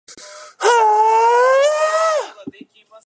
はーーー？